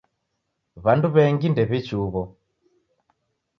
W'andu w'engi ndew'iichi huw'o.